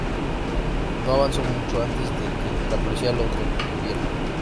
No avanzó mucho antes de que la policía lo contuviera.